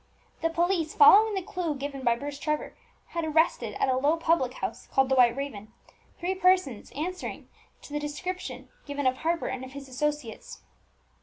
The police, following the clue given by Bruce Trevor, had arrested at a low public house, called the White Raven, three persons answering to the description given of Harper and his associates.